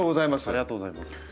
ありがとうございます。